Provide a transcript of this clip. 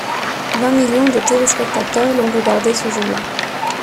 Vingt millions de téléspectateurs l'ont regardé ce jour là.